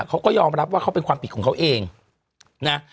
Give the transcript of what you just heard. เขาก็ยอมรับว่าเขาเป็นความผิดของเขาเองนะ